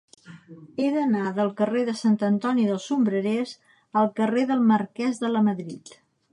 He d'anar del carrer de Sant Antoni dels Sombrerers al carrer del Marquès de Lamadrid.